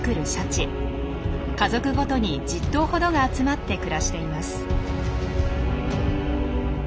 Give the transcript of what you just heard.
家族ごとに１０頭ほどが集まって暮らしています。